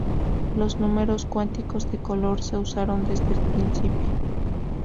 Los números cuánticos de color se usaron desde el principio.